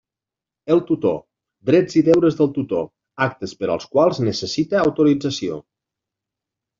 El tutor; deures i drets del tutor; actes per als quals necessita autorització.